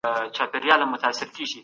شاه ولي خان څوک و؟